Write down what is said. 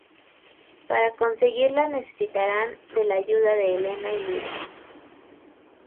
Para conseguirla necesitarán de la ayuda de Elena y Ludo.